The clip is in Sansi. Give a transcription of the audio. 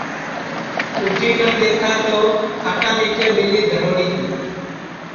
اُٹھی کن دؔیکھا تو کھاٹا نیچے ٻیلی دھروڑی تی